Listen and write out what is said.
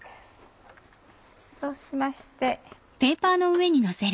そうしまして。